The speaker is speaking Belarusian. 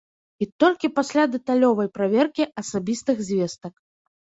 І толькі пасля дэталёвай праверкі асабістых звестак.